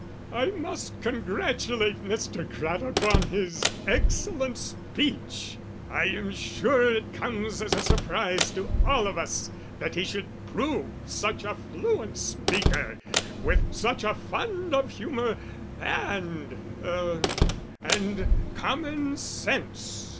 "I must congratulate Mr. Craddock on his excellent speech. I am sure it comes as a surprise to all of us that he should prove such a fluent speaker, with such a fund of humour and er and common sense.